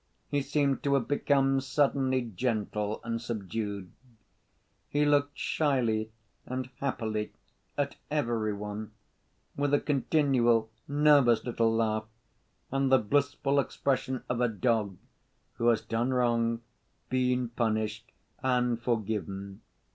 He seemed to have become suddenly gentle and subdued. He looked shyly and happily at every one, with a continual nervous little laugh, and the blissful expression of a dog who has done wrong, been punished, and forgiven.